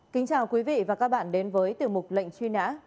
kính chào quý vị và các bạn đến với tiểu mục lệnh truy nã